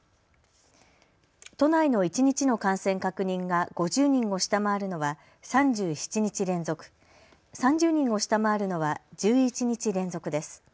都内の一日の感染確認が５０人を下回るのは３７日連続、３０人を下回るのは１１日連続です。